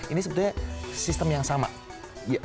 ini sebetulnya sistem yang sama